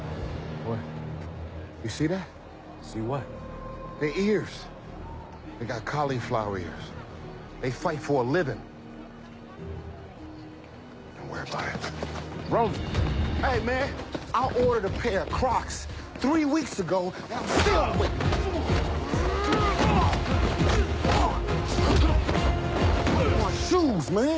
おい！